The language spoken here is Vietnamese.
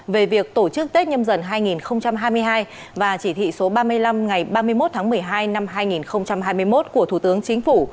về việc tổ chức tết nhâm dần hai nghìn hai mươi hai và chỉ thị số ba mươi năm ngày ba mươi một tháng một mươi hai năm hai nghìn hai mươi một của thủ tướng chính phủ